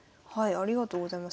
ありがとうございます。